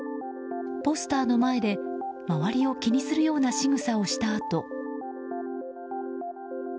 ポスターの前で周りを気にするようなしぐさをしたあと。